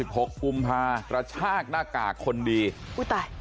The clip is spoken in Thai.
๑๕๑๖ปุ่มพาประชาคหน้ากากคนดีอุ๊ยตาย